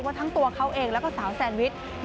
ทั้งตัวเขาเองแล้วก็สาวแซนวิช